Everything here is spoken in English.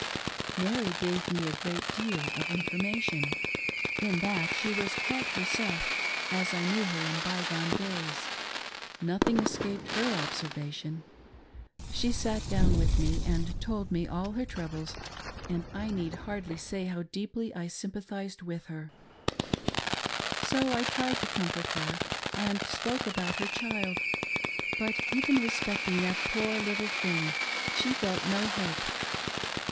Mary gave me a great deal of information. In that she was quite herself, as I knew her in by gone days. Nothing escaped her observation. She sat down with me and told me all her troubles and I need hardly say how deeply I sympathised with her; So I tried to comfort her, and spoke about her child, but even respecting that poor little thing she felt no hope.